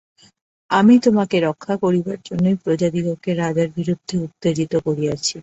আমি তোমাকে রক্ষা করিবার জন্যই প্রজাদিগকে রাজার বিরুদ্ধে উত্তেজিত করিয়াছি।